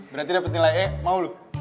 berarti dapet nilai e mau loh